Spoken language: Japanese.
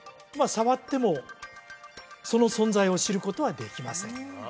触ってもその存在を知ることはできません